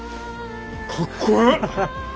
かっこええ。